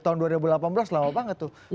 tahun dua ribu delapan belas lama banget tuh